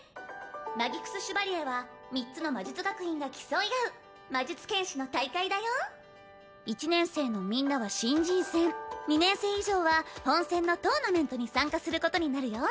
マギクス・シュバリエは３つの魔術学院が競い合う魔術剣士の大会だよ１年生のみんなは新人戦２年生以上は本戦のトーナメントに参加することになるよ